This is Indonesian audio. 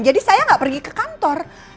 jadi saya nggak pergi ke kantor